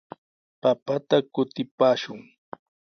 Papata kutipaashun.